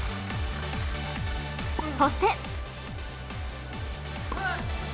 そして。